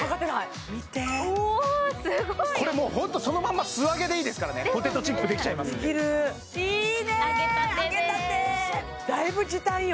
見ておおすごいこれもうホントそのまんま素揚げでいいですからねポテトチップできちゃいますんでできるいいね揚げたて揚げたてでだいぶ時短よ